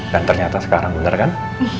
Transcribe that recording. dan ternyata sekarang bener kan